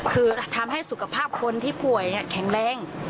คือทำให้สุขภาพคนที่ป่วยแข็งแรง